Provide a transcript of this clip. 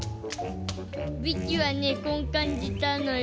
ビキはねこうかんじたのよ。